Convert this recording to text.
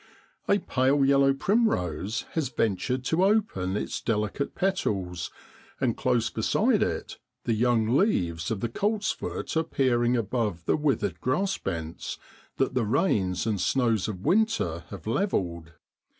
A pale yellow primrose has ventured to open its delicate petals, and close beside it the young leaves of the coltsfoot are peering above the withered grassbents that the rains and snows of winter have levelled.